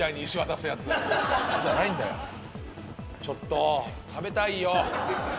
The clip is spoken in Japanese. ちょっと食べたいよ！